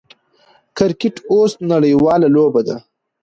کرکټ اوس نړۍواله لوبه ده.